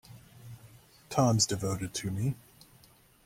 Tom's devoted to me.